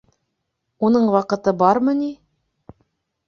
— Уның ваҡыты бармы ни?